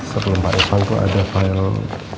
sebelum pak eswan tuh ada file